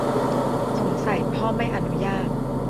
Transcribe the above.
สงสัยพ่อไม่อนุญาต